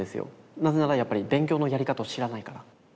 なぜならやっぱり勉強のやり方を知らないから。